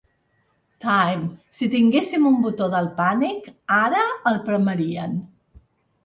Time: ‘Si tinguéssim un botó del pànic, ara el premeríen’.